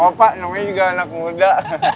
gak apa apa pak namanya juga anak muda